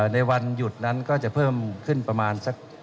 ในวันหยุดนั้นก็จะเพิ่มขึ้นประมาณสัก